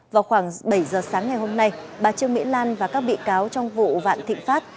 vào khoảng bảy giờ sáng ngày hôm nay bà trương mỹ lan và các bị cáo trong vụ vạn thịnh pháp